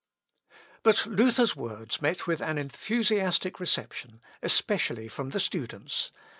255.) But Luther's words met with an enthusiastic reception, especially from the students.